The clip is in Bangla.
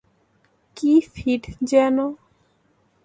কী ফিট যেন?